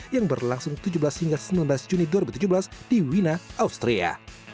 yang berlangsung tujuh belas hingga sembilan belas juni dua ribu tujuh belas di wina austria